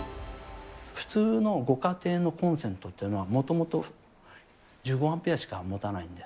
普通のご家庭のコンセントっていうのは、もともと１５アンペアしかもたないんです。